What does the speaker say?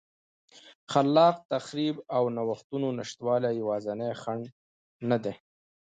خلاق تخریب او نوښتونو نشتوالی یوازینی خنډ نه دی.